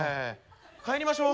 帰りましょう。